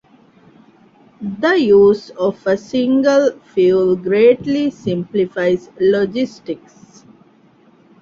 The use of a single fuel greatly simplifies logistics.